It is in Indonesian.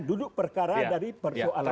duduk perkara dari persoalan